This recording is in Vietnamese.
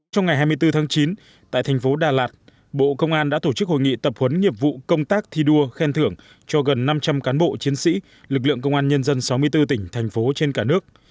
trong ngày hai mươi bốn tháng chín tại thành phố đà lạt bộ công an đã tổ chức hội nghị tập huấn nghiệp vụ công tác thi đua khen thưởng cho gần năm trăm linh cán bộ chiến sĩ lực lượng công an nhân dân sáu mươi bốn tỉnh thành phố trên cả nước